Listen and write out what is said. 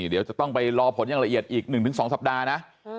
เดี๋ยวจะต้องไปรอผลอย่างละเอียดอีก๑๒สัปดาห์นะ